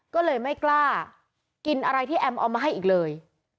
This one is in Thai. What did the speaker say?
ก็เลยไม่กล้ากินอะไรที่แอมเอามาให้อีกเลย